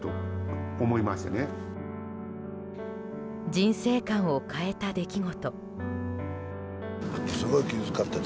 人生観を変えた出来事。